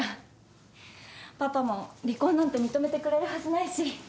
パパも離婚なんて認めてくれるはずないし。